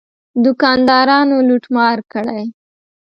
دوکاندارانو لوټ مار کړی.